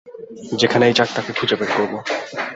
যেখানেই যাক তাকে খুঁজে বের করব।